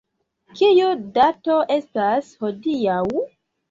Kiu dato estas hodiaŭ?